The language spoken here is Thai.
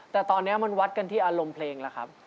แต่ตอนนี้มันวัดกันที่อารมณ์เพลงแล้วครับ